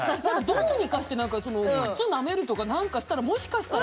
どうにかして何か靴なめるとか何かしたらもしかしたら。